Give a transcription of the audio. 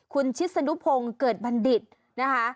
คุณชิศนุพงศ์เกิดบัณฑิตนะคะ